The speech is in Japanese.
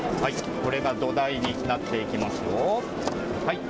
これが土台になっていきますよ。